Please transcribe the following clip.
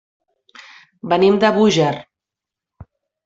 Venim de Búger.